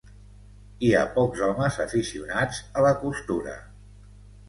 Hi ha pocs homes aficionats a la costura.